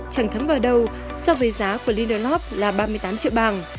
chẳng thấm vào đâu so với giá của lindelof là ba mươi tám triệu bằng